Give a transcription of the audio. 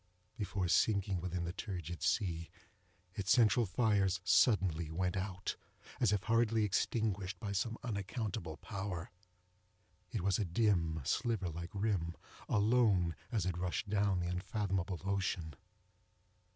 Just before sinking within the turgid sea, its central fires suddenly went out, as if hurriedly extinguished by some unaccountable power. It was a dim, sliver like rim, alone, as it rushed down the unfathomable ocean.